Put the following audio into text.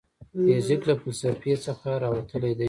فزیک له فلسفې څخه راوتلی دی.